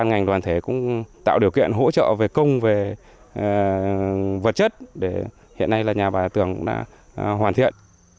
các ngành đoàn thể cũng tạo điều kiện hỗ trợ về công về vật chất để hiện nay là nhà bà hà thị tường đã hoàn thiện